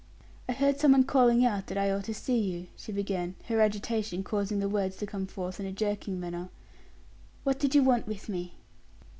"I heard some one calling out that I ought to see you," she began, her agitation causing the words to come forth in a jerking manner. "What did you want with me?"